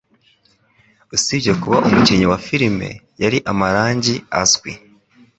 Usibye kuba umukinnyi wa filime, yari amarangi azwi.